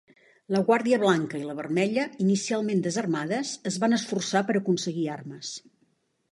La Guàrdia Blanca i la Vermella, inicialment desarmades, es van esforçar per aconseguir armes.